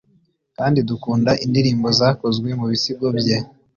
Kandi dukunda indirimbo zakozwe mubisigo bye